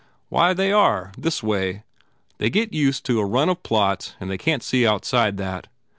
"Why, they are. This way. They get used to a run of plots and they can t see outside that.